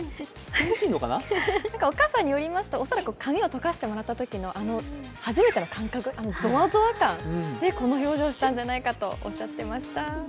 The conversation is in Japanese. お母さんによりますと恐らく髪をとかしてもらったときの初めての感覚、あのゾワゾワ感であの表情になったのではないかと言っていました。